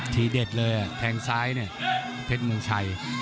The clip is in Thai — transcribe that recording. ทีเด็ดเลยแทงซ้ายเนี่ยเพชรเมืองชัย